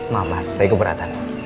maaf mas saya keberatan